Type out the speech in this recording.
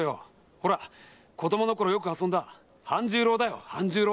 ほら子供のころよく遊んだ半十郎だよ半十郎！